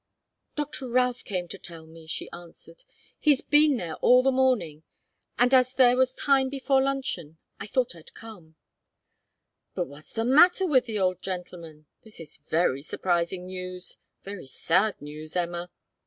"Doctor Routh came to tell me," she answered. "He's been there all the morning and as there was time before luncheon, I thought I'd come " "But what's the matter with the old gentleman? This is very surprising news very sad news, Emma."